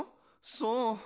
そう。